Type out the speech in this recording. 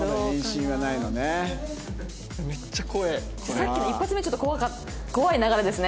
さっきの１発目怖い流れですね